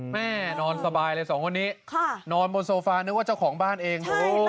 นอนสบายเลยสองคนนี้นอนบนโซฟานึกว่าเจ้าของบ้านเอง